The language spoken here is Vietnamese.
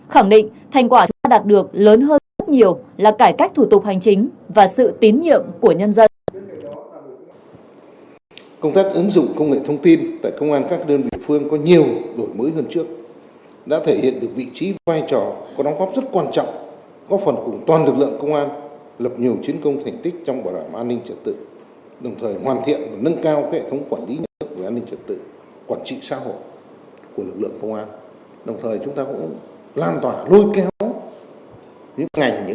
khẳng định thành quả chúng ta đạt được lớn hơn rất nhiều là cải cách thủ tục hành chính và sự tín nhiệm của nhân dân